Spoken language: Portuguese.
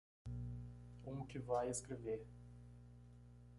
Um que vai escrever.